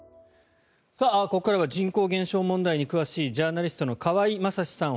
ここからは人口減少問題に詳しいジャーナリストの河合雅司さん